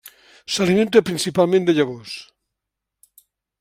S'alimenta principalment de llavors.